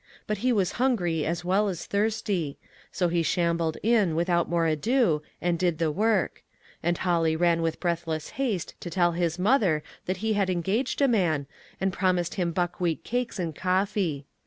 But he was hun gry as well as thirsty ; so he shambled in without more ado, and did the work ; and Holly ran with breathless haste to tell his mother that he had engaged a man, and promised him buckwheat cakes and coffee.